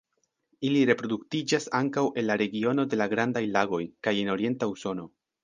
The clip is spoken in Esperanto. Ili reproduktiĝas ankaŭ en la regiono de la Grandaj Lagoj kaj en orienta Usono.